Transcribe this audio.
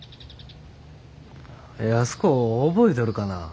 安子覚えとるかな？